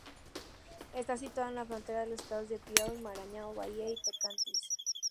Está situado en la frontera de los estados de Piauí, Maranhão, Bahía y Tocantins.